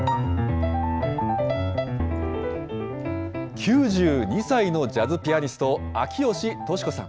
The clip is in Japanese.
９２歳のジャズピアニスト、秋吉敏子さん。